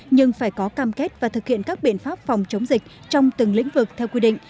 nhưng phải có cam kết và thực hiện các biện pháp phòng chống dịch trong từng lĩnh vực theo quy định